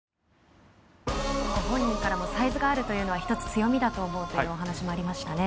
ご本人からもサイズがあるというのは一つ強みだと思うという話がありましたね。